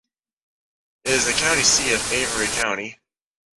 It is the county seat of Avery County.